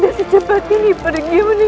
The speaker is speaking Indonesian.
masalah kabarku ini semua keseluruhan